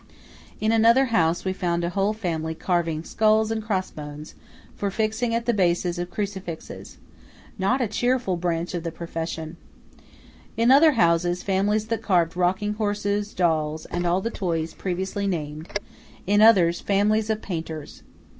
In another house we found a whole family carving skulls and cross bones, for fixing at the bases of crucifixes–not a cheerful branch of the profession; in other houses, families that carved rocking horses, dolls, and all the toys previously named; in others, families of painters.